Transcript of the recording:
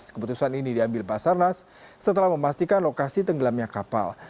keputusan ini diambil basarnas setelah memastikan lokasi tenggelamnya kapal